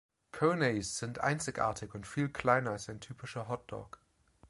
"Coneys" sind einzigartig und viel kleiner als ein typischer Hot Dog.